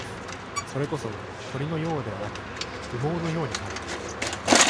それこそ、鳥のようではなく、羽毛のように軽く、